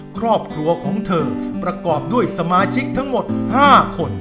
ครอบครัวของเธอประกอบด้วยสมาชิกทั้งหมด๕คน